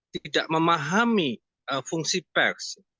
tidak memahami fungsi pers